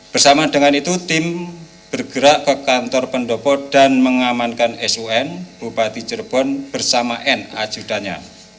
bersama dengan itu tim bergerak ke kantor pendopo dan mengamankan sun bupati cirebon bersama n ajudannya